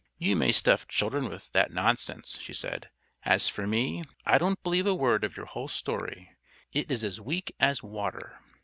"You may stuff children with that nonsense," she said. "As for me, I don't believe a word of your whole story. It is as weak as water."